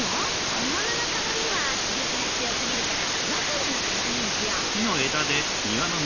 本物の鏡は刺激が強すぎるからワカメの鏡にしよう。